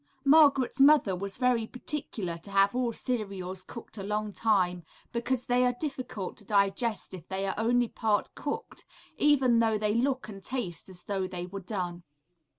Margaret's mother was very particular to have all cereals cooked a long time, because they are difficult to digest if they are only partly cooked, even though they look and taste as though they were done.